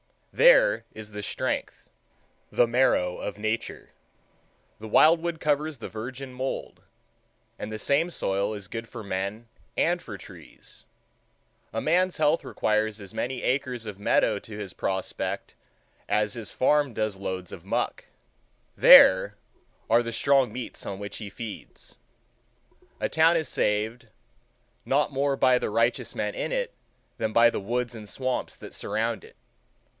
There is the strength, the marrow, of Nature. The wild wood covers the virgin mould,—and the same soil is good for men and for trees. A man's health requires as many acres of meadow to his prospect as his farm does loads of muck. There are the strong meats on which he feeds. A town is saved, not more by the righteous men in it than by the woods and swamps that surround it.